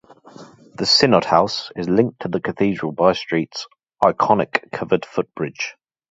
The synod house is linked to the cathedral by Street's iconic covered footbridge.